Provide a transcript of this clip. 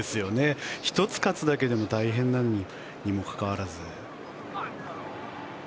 １つ勝つだけでも大変なのにもかかわらず。